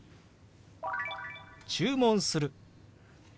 「注文する」。